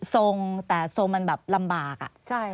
ทรงแต่ทรงมันแบบลำบากอะ